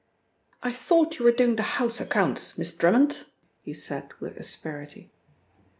"I thought you were doing the house accounts, Miss Drummond," he said with asperity.